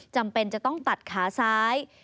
จำเป็นจะต้องตัดขาซ้าย